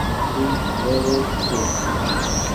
اي رو رو ڇي ۔